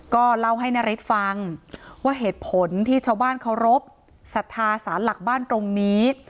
ก็เล่าให้นาริสฟังว่าเหตุผลที่ชาวบ้านเคารพสัทธาสารหลักบ้านตรงนี้